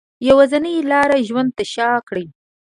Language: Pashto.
یوازینۍ لاره ژوند ته شا کړي